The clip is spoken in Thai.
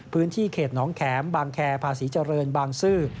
พื้นที่เขตน้องแขมบางแคร์ภาษีเจริญบางซื่อ